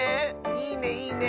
いいねいいね！